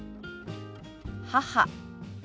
「母」。